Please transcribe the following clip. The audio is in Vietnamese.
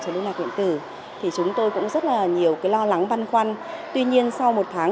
cho linh lạc điện tử thì chúng tôi cũng rất là nhiều cái lo lắng băn khoăn tuy nhiên sau một tháng